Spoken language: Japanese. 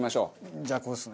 じゃあここですね。